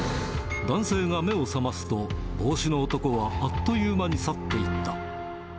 男性が目を覚ますと、帽子の男はあっという間に去っていった。